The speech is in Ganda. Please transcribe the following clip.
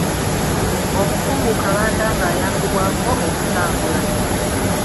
Omukungu Kabanda ng’ayambibwako okutambula.